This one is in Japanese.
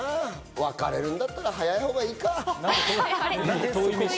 別れるんだったら早いほうがいいか。